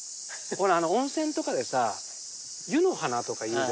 温泉とかでさ湯の花とかいうじゃない。